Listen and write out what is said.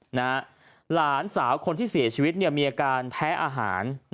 หลานสาวคนที่เสียชีวิตมีอาการแพ้อาหาร